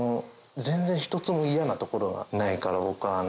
全然一つも嫌なところがないから。